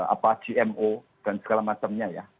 apa gmo dan segala macamnya ya